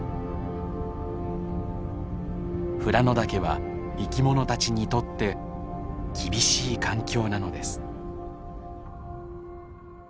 富良野岳は生き物たちにとって厳しい環境なのです。